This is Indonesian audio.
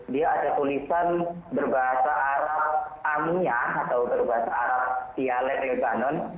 dia ada tulisan berbahasa arab amuyan atau berbahasa arab sialet libanon